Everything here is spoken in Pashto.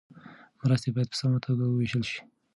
مرستې باید په سمه توګه وویشل سي.